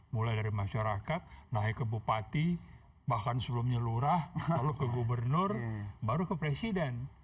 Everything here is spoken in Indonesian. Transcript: mulai dari masyarakat naik ke bupati bahkan sebelumnya lurah lalu ke gubernur baru ke presiden